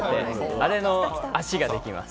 あれを足でできます。